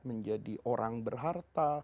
menjadi orang berharta